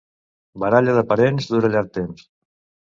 Baralla de parents dura llarg temps.